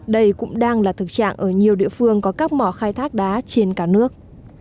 đây cũng đang là thực trạng ở nhiều địa phương có các mỏ khai thác đá trên cả nước